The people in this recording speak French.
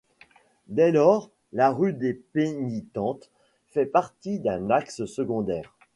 Dès lors, la rue des Pénitentes fait partie d'un axe secondaire.